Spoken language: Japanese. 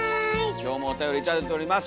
今日もおたより頂いております！